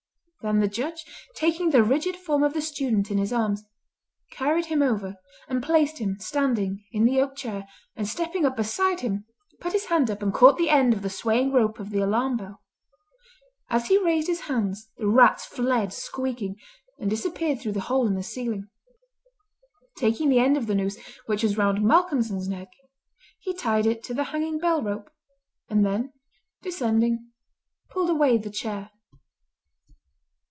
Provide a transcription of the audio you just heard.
Then the Judge, taking the rigid form of the student in his arms, carried him over and placed him standing in the oak chair, and stepping up beside him, put his hand up and caught the end of the swaying rope of the alarm bell. As he raised his hand the rats fled squeaking, and disappeared through the hole in the ceiling. Taking the end of the noose which was round Malcolmson's neck he tied it to the hanging bell rope, and then descending pulled away the chair.